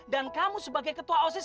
kamu sebagai ketua osis